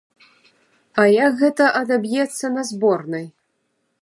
А як гэта адаб'ецца на зборнай?